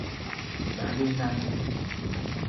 สาลีนัง